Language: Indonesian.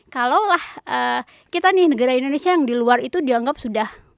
kalau lah kita nih negara indonesia yang di luar itu dianggap sudah